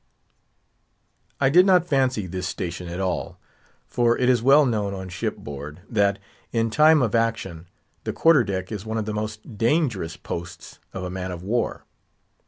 I did not fancy this station at all; for it is well known on shipboard that, in time of action, the quarter deck is one of the most dangerous posts of a man of war.